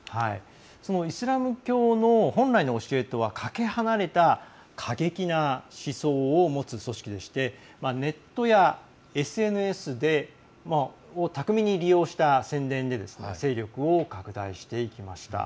イスラム教の本来の教えとはかけ離れた過激な思想を持つ組織でしてネットやＳＮＳを巧みに利用した宣伝で勢力を拡大していきました。